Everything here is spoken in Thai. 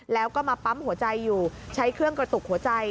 แล้วก็มาปั๊มหัวใจอยู่ใช้เครื่องกระตุกหัวใจ